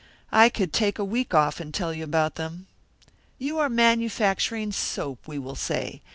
I could take a week off and tell you about them. You are manufacturing soap, we will say.